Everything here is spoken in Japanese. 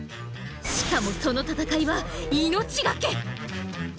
しかもその闘いは「命がけ」！